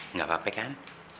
enggak apa apa kan